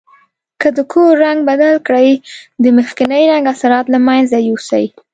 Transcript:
که د کور رنګ بدل کړئ د مخکني رنګ اثرات له منځه یوسئ.